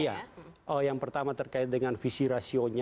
iya yang pertama terkait dengan visi rasionya